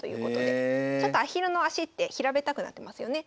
ちょっとアヒルの足って平べったくなってますよね。